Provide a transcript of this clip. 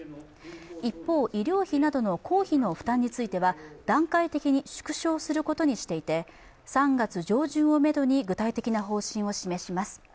一方、医療費などの公費の負担については段階的に縮小することにしていて３月上旬をめどに具体的な方針を示します。